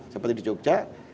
seperti di jogja